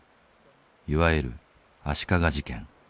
いわゆる足利事件。